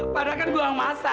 padahal kan gue yang masak